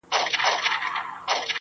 په سپينه زنه كي خال ووهي ويده سمه زه~